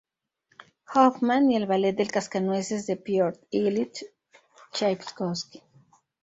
Hoffmann y el ballet "El cascanueces" de Piotr Ilich Chaikovski.